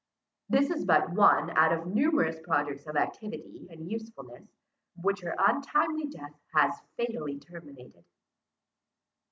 This is but one out of numerous projects of activity and usefulness, which her untimely death has fatally terminated.